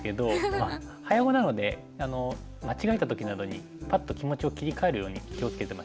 まあ早碁なので間違えた時などにパッと気持ちを切り替えるように気を付けてましたね。